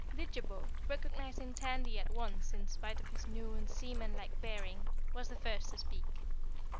Didjabo, recognizing Tandy at once in spite of his new and seaman like bearing, was the first to speak.